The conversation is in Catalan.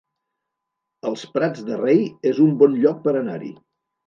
Els Prats de Rei es un bon lloc per anar-hi